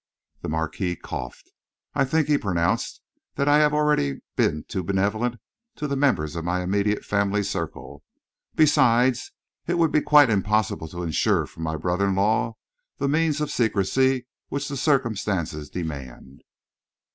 The Marquis coughed. "I think," he pronounced, "that I have already been too benevolent to the members of my immediate family circle. Besides, it would be quite impossible to ensure from my brother in law that measure of secrecy which the circumstances demand."